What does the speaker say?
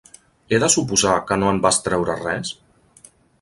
He de suposar que no en vas treure res?